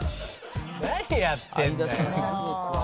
何やってんだよ！